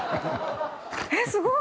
えっすごい。